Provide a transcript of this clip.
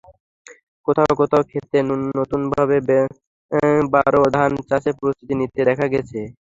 কোথাও কোথাও খেতে নতুনভাবে বোরো ধান চাষের প্রস্তুতি নিতে দেখা গেছে।